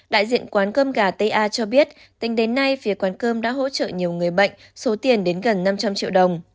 đại diện quán cơm gà ta cho biết tính đến nay phía quán cơm đã hỗ trợ nhiều người bệnh số tiền đến gần năm trăm linh triệu đồng